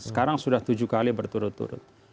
sekarang sudah tujuh kali berturut turut